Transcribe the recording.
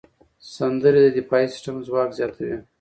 سندرې د دفاعي سیستم ځواک زیاتوي.